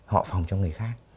họ phòng cho người khác